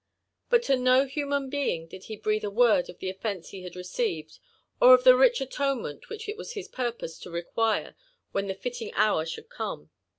But to no human being did he breathe a word of the offenee he had received, or of the rich atonement which it was his purpose to re quire when the fitting hour should come.